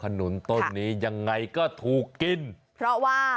นุนต้นนี้ยังไงก็ถูกกินเพราะว่า